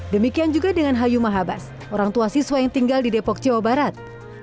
demikian juga dengan hayu mahabas orang tua siswa yang tinggal di depok jawa barat